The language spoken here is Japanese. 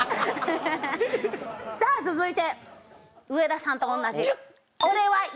さぁ続いて上田さんと同じ。